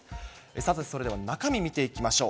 さて、それでは中身、見ていきましょう。